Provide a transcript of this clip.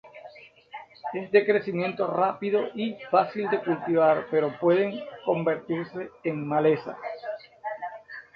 Es de crecimiento rápido y fácil de cultivar, pero pueden convertirse en maleza.